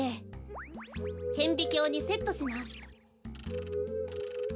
けんびきょうにセットします。